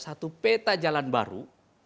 satu peta jalan baru